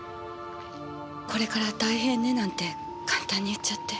「これから大変ね」なんて簡単に言っちゃって。